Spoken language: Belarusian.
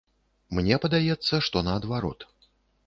Мне падаецца, што наадварот.